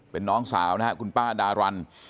เป็นน้องสาวนะครับคุณป้าดารัน